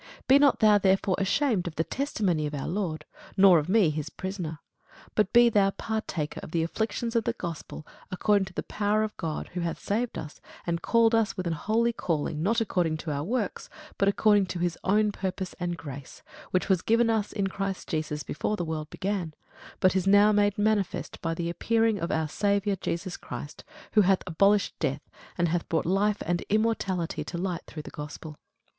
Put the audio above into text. Be not thou therefore ashamed of the testimony of our Lord, nor of me his prisoner: but be thou partaker of the afflictions of the gospel according to the power of God; who hath saved us, and called us with an holy calling, not according to our works, but according to his own purpose and grace, which was given us in Christ Jesus before the world began, but is now made manifest by the appearing of our Saviour Jesus Christ, who hath abolished death, and hath brought life and immortality to light through the gospel.